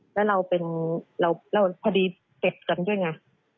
แล้วเราพอดีเก็บกันด้วยไง